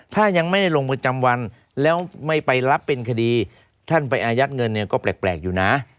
ถ้ายังไม่ได้ลงประจำวันแล้วไม่ไปรับเป็นคดีท่านไปอายัดเงินเนี่ยก็แปลกอยู่นะ